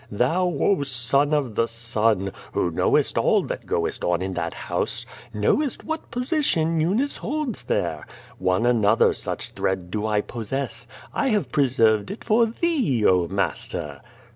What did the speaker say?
Thou, oh. Son of the Sun, wlio knowest all that goes on in that house, knowest what posi tion Eunice holds there. One another such thread do I pos sess. I have preserved it for thee, oh, master!"